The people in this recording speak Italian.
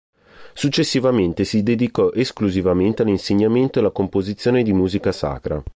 Successivamente si dedicò esclusivamente all'insegnamento e alla composizione di musica sacra.